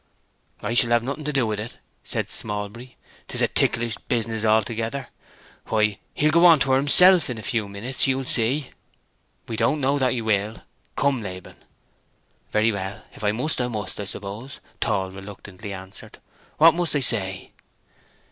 "I shall have nothing to do with it," said Smallbury. "'Tis a ticklish business altogether. Why, he'll go on to her himself in a few minutes, ye'll see." "We don't know that he will. Come, Laban." "Very well, if I must I must, I suppose," Tall reluctantly answered. "What must I say?"